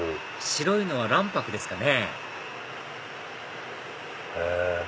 白いのは卵白ですかね？